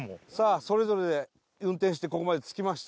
それぞれで運転してここまで着きました